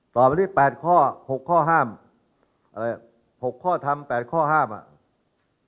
ตอบมาที่แปดข้อหกข้อห้ามอะไรหกข้อทำแปดข้อห้ามอ่ะ